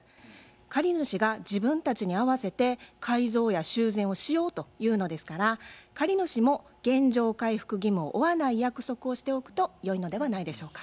借り主が自分たちに合わせて改造や修繕をしようというのですから借り主も原状回復義務を負わない約束をしておくとよいのではないでしょうか。